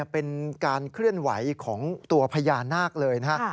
เป็นการเคลื่อนไหวของตัวพญานาคเลยนะครับ